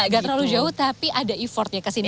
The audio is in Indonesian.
gak terlalu jauh tapi ada effort ya ke sini